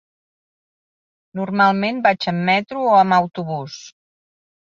Normalment vaig amb metro o amb autobús.